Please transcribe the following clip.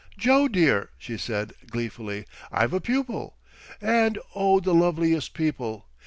"Joe, dear," she said, gleefully, "I've a pupil. And, oh, the loveliest people!